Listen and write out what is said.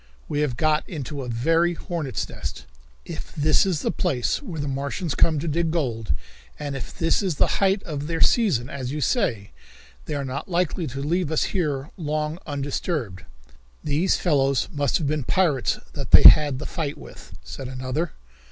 We have got into a very hornet's nest! If this is the place where the Martians come to dig gold, and if this is the height of their season, as you say, they are not likely to leave us here long undisturbed." "These fellows must have been pirates that they had the fight with," said another.